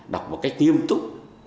đọc một cách nghiêm túc